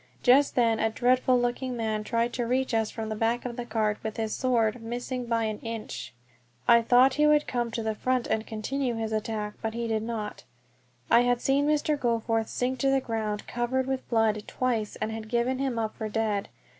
Just then a dreadful looking man tried to reach us from the back of the cart with his sword, missing by an inch. I thought he would come to the front and continue his attack, but he did not. I had seen Mr. Goforth sink to the ground covered with blood twice, and had given him up for dead.